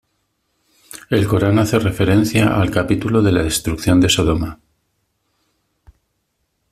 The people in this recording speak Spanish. El Corán hace referencia al capítulo de la destrucción de Sodoma.